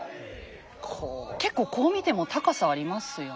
結構こう見ても高さありますよね。